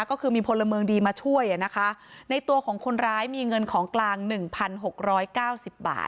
ก็คือมีพลเมืองดีมาช่วยอ่ะนะคะในตัวของคนร้ายมีเงินของกลางหนึ่งพันหกร้อยเก้าสิบบาท